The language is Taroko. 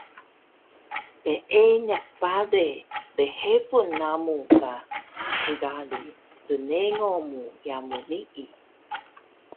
Peeniq bale lhebun namu ka kari rnengo mu yamu nii